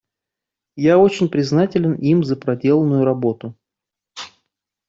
Я очень признателен им за проделанную работу.